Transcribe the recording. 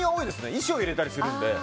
衣装を入れたりするので。